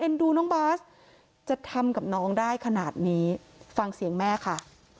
ดูน้องบาสจะทำกับน้องได้ขนาดนี้ฟังเสียงแม่ค่ะ